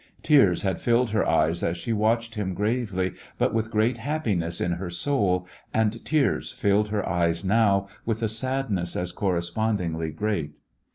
Tears had filled her eyes as she watched him gravely but with great happiness in her soul, and tears filled her eyes now with a sadness as correspondingly great.